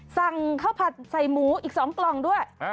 สั่งข้าวผัดใส่หมูอีก๒กล่องด้วย